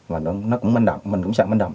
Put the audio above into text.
và nó cũng manh động mình cũng sẵn manh động